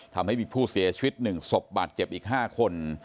ทำให้มีผู้เสียชีวิต๑ศพบาดเจ็บอีก๕คน